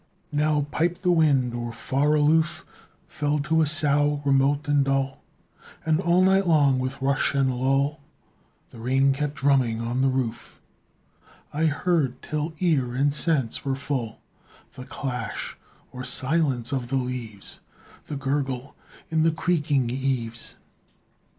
Now piped the wind, or far aloof Fell to a sough remote and dull; And all night long with rush and lull The rain kept drumming on the roof: I heard till ear and sense were full The clash or silence of the leaves, The gurgle in the creaking eaves.